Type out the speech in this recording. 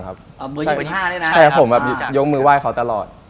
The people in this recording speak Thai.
แท่ผมยกมือไหว้เขาตลอด